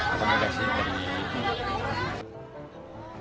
atau negasi dari itu